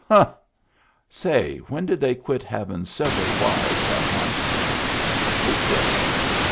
Huh! Say, when did they quit havin' several wives at wunst?" "Who quit?"